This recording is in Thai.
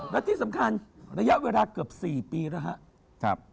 และที่สำคัญระยะเวลาเกือบ๔ปีแล้วครับ